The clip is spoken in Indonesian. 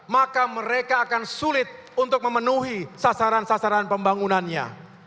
maka mereka akan sulit untuk memenuhi sasaran sasaran pembangunannya